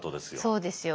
そうですよ。